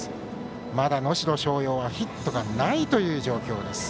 まだ能代松陽はヒットがないという状況です。